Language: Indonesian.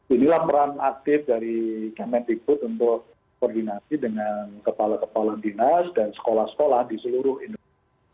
inilah peran aktif dari kementikbud untuk koordinasi dengan kepala kepala dinas dan sekolah sekolah di seluruh indonesia